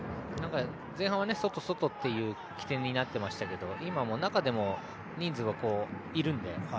前半は外、外という起点になっていましたが今は中でも人数がいるので。